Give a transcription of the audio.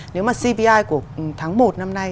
nếu mà cpi của tháng một năm nay